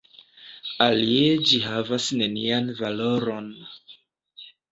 Alie ĝi havas nenian valoron.